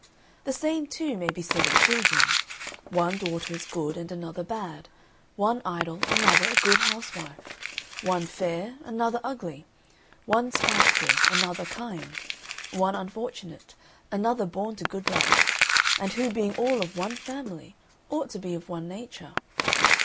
The same, too, may be said of children: one daughter is good and another bad; one idle, another a good housewife; one fair, another ugly; one spiteful, another kind; one unfortunate, another born to good luck, and who being all of one family ought to be of one nature.